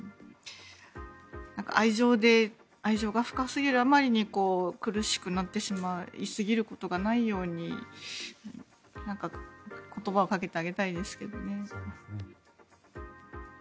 愛情が深すぎるあまりに苦しくなってしまいすぎることがないように言葉をかけてあげたいですね。